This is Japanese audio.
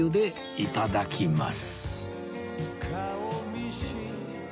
いただきます。